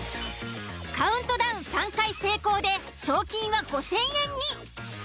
カウントダウン３回成功で賞金は５，０００円に。